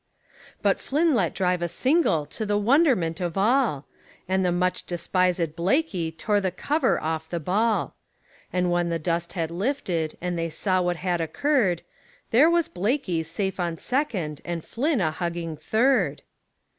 But Flynn let drive a single to the wonderment of all, And the much despisèd Blaikie tore the cover off the ball; And when the dust had lifted, and they saw what had occurred, There was Blaikie safe on second and Flynn a hugging third!